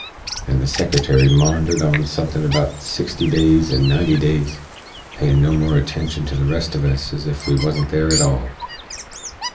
And the Secretary maundered on suthin about "sixty days" and "ninety days," payin no more attention to the rest uv us than ez ef we wuzn't there at all.